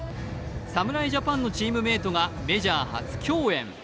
侍ジャパンのチームメートがメジャー初競演。